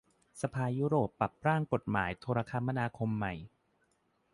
สภายุโรปรับร่างกฎหมายโทรคมนาคมใหม่